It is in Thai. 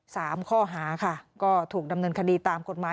สามข้อหาค่ะก็ถูกดำเนินคดีตามกฎหมาย